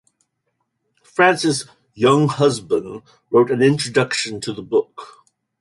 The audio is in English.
Francis Younghusband wrote an introduction to the book.